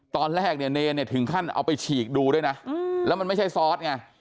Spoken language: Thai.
ตอนแรกเนี่ยเนรเนี่ยถึงขั้นเอาไปฉีกดูด้วยนะแล้วมันไม่ใช่ซอสไง